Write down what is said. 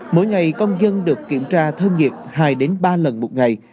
mỗi ngày công dân được kiểm tra thân nhiệt hai ba lần một ngày